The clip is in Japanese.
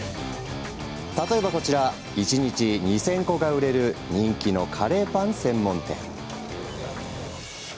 例えば、こちら一日２０００個が売れる人気のカレーパン専門店。